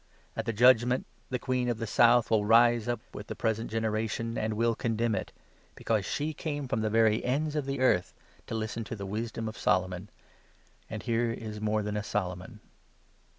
At 42 the Judgement the Queen of the South will rise up with the present generation, and will condemn it, because she came from the very ends of the earth to listen to the wisdom of Solomon ; and here is more than a Solomon